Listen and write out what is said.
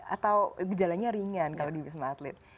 atau gejalanya ringan kalau di wisma atlet